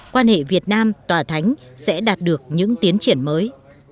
quan hệ việt nam tòa thánh sẽ đạt được những tiến triển mới